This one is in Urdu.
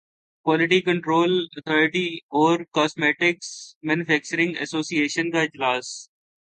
کوالٹی کنٹرول اتھارٹی اور cosmetics manufacturers association کا اجلاس